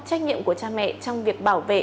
trách nhiệm của cha mẹ trong việc bảo vệ